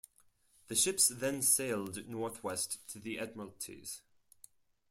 The ships then sailed northwest to the Admiralties.